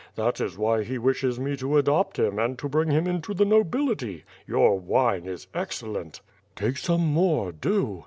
That is why he wishes me to adopt him and to bring him into the nobility. Your wine is excellent!" "Take some more, do!"